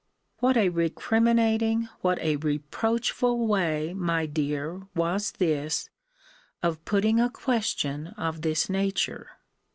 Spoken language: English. What a recriminating, what a reproachful way, my dear, was this, of putting a question of this nature!